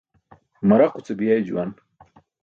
Maraquce biyay juwan.